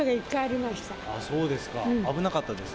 そうですか、危なかったです